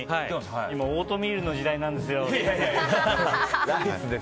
今オートミールの時代なんですよ。